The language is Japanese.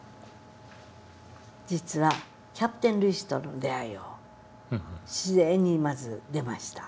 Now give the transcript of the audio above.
実はキャプテンルイスとの出会いを自然にまず出ました。